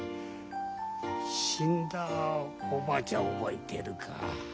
死んだおばあちゃん覚えてるか？